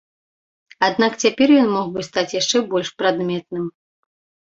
Аднак цяпер ён мог бы стаць яшчэ больш прадметным.